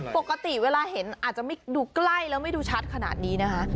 ปกติเวลาเห็นอาจจะไม่ดูใกล้แล้วไม่ดูชัดขนาดนี้นะคะ